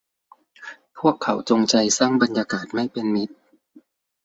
พวกเขาจงใจสร้างบรรยากาศไม่เป็นมิตร